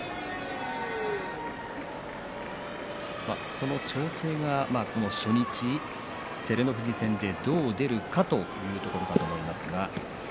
その調整が初日、照ノ富士戦でどう出るかというところだと思いますが。